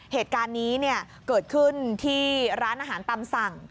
เหตุการณ์นี้เกิดขึ้นที่ร้านอาหารตามสั่ง